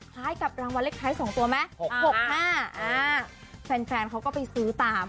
คล้ายกับรางวัลเลขคล้ายสองตัวไหมหกห้าอ่าแฟนแฟนเขาก็ไปซื้อตาม